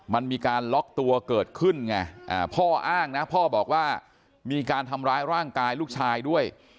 มันมีการล็อกตัวเกิดขึ้นไงพ่ออ้างนะพ่อบอกว่ามีการทำร้ายร่างกายลูกชายด้วย